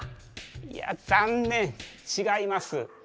いや残念ちがいます。